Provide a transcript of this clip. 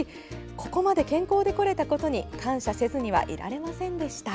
ここまで健康で来れたことに感謝せずにはいられませんでした。